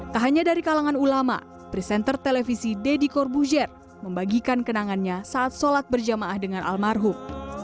tak hanya dari kalangan ulama presenter televisi deddy korbujer membagikan kenangannya saat sholat berjamaah dengan almarhum